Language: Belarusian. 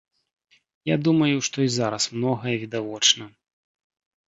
Я думаю, што і зараз многае відавочна.